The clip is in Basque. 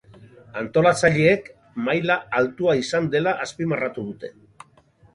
Antolatzaileek maila altua izan dela azpimarratu dute.